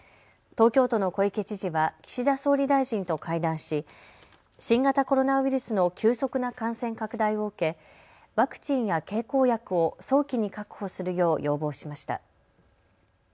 東京都の小池知事は岸田総理大臣と会談し、新型コロナウイルスの急速な感染拡大を受けワクチンや経口薬を早期に確保するよう要望しました。